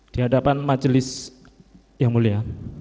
di hadapan majelis yang mulia